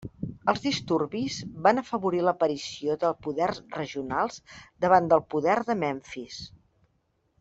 Els disturbis van afavorir l'aparició de poders regionals davant del poder de Memfis.